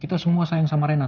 kita semua sayang sama rena